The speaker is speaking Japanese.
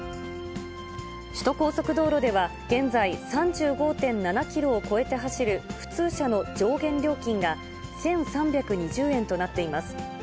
首都高速道路では、現在、３５．７キロを超えて走る普通車の上限料金が１３２０円となっています。